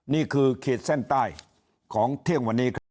นี่คือเขตเส้นใต้ของเที่ยงวันนี้ครับ